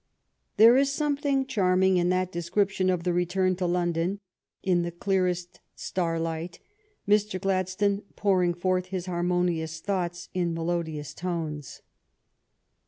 There is something charming in that description of the return to London " in the clearest starlight, Mr. Gladstone pouring forth his harmonious thoughts in melodious tones."